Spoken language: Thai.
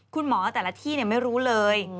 คุณหมอแต่ละที่ไม่รู้เลย